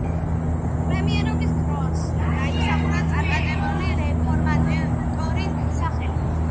პრემიერობის დროს დაიმსახურა წარმატებული რეფორმატორის სახელი.